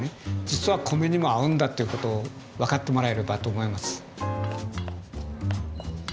実は米にも合うんだっていうことを分かってもらえればと思います。